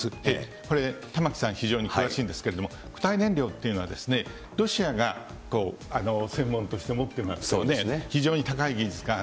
これ、玉城さん、非常に詳しいんですけども、固体燃料というのは、ロシアが専門として持ってますし、非常に高い技術がある。